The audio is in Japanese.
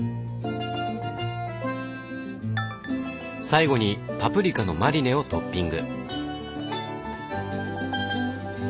最後にパプリカのマリネをトッピング。